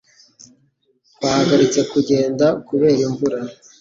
Twahagaritse kugenda kubera imvura.